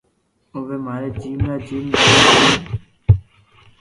اووي ماري جيم را جيم درزي ھي